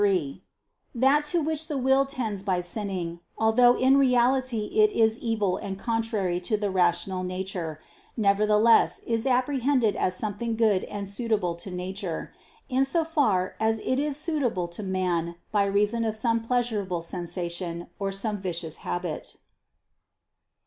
3: That to which the will tends by sinning, although in reality it is evil and contrary to the rational nature, nevertheless is apprehended as something good and suitable to nature, in so far as it is suitable to man by reason of some pleasurable sensation or some vicious habit.